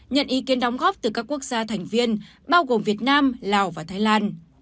nhận ý kiến đóng góp từ các quốc gia thành viên bao gồm việt nam lào và thái lan